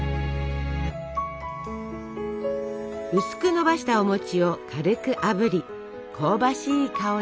薄くのばしたおを軽くあぶり香ばしい香り。